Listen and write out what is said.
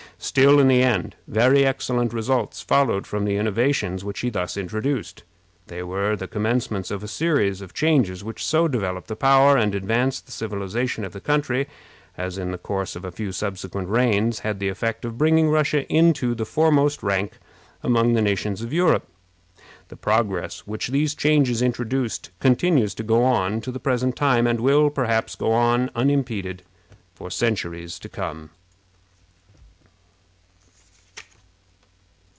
Still, in the end, very excellent results followed from the innovations which he thus introduced. They were the commencement of a series of changes which so developed the power and advanced the civilization of the country, as in the course of a few subsequent reigns had the effect of bringing Russia into the foremost rank among the nations of Europe. The progress which these changes introduced continues to go on to the present time, and will, perhaps, go on unimpeded for centuries to come.